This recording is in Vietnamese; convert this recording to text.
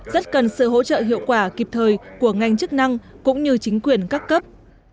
rất cần sự hỗ trợ hiệu quả kịp thời của ngành chức năng cũng như chính quyền các cấp